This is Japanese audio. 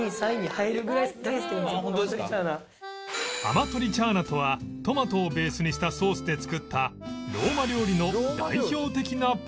アマトリチャーナとはトマトをベースにしたソースで作ったローマ料理の代表的なパスタ